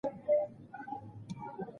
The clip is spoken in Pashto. دا ونه تر هغې بلې ونې ډېره لویه ده.